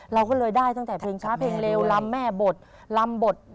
เราก็เลยได้ตั้งแต่เพลงช้าเพลงเร็วลำแม่บทลำบท